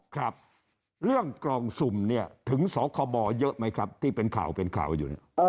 ครับเรื่องกล่องสุ่มเนี่ยถึงสคบเยอะไหมครับที่เป็นข่าวเป็นข่าวอยู่เนี่ย